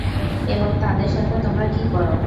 এবং তাদের সাথে তোমরা কি কর?